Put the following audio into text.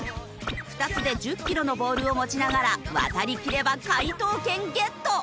２つで１０キロのボールを持ちながら渡りきれば解答権ゲット！